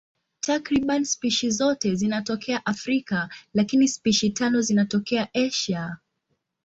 Takriban spishi zote zinatokea Afrika, lakini spishi tano zinatokea Asia.